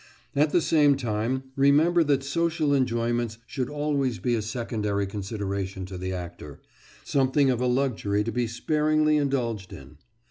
At the same time, remember that social enjoyments should always be a secondary consideration to the actor, something of a luxury to be sparingly indulged in.